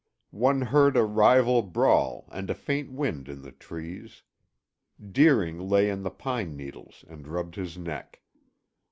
One heard a river brawl and a faint wind in the trees. Deering lay in the pine needles and rubbed his neck.